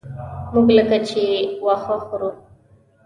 موږ لکه چې واښه خورو.